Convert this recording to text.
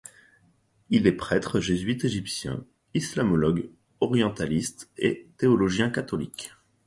Il est prêtre jésuite égyptien, islamologue, orientaliste et théologien catholique.